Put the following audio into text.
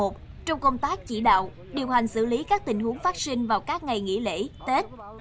trong công tác chỉ đạo điều hành xử lý các tình huống phát sinh vào các ngày nghỉ lễ tết